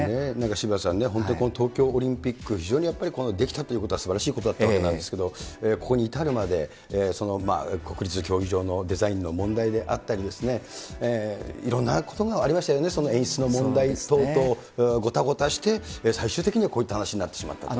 渋谷さんね、本当にこの東京オリンピック、非常に、できたということは、すばらしいことだったわけなんですけれども、ここに至るまで、国立競技場のデザインの問題であったり、いろんなことがありましたよね、演出の問題等々、ごたごたして、最終的にはこういった話になってしまったと。